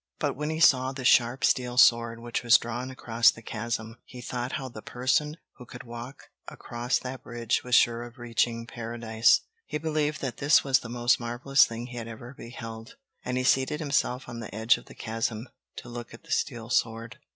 But when he saw the sharp steel sword which was drawn across the chasm, he thought how the person who could walk across that bridge was sure of reaching Paradise. He believed that this was the most marvelous thing he had ever beheld; and he seated himself on the edge of the chasm to look at the steel sword.